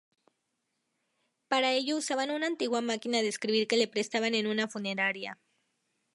Para ello usaba una antigua máquina de escribir que le prestaban en una funeraria.